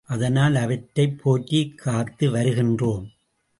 அதனால் அவற்றைப் போற்றிக் காத்து வருகின்றோம்.